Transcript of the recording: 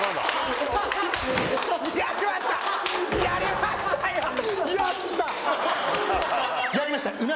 やりました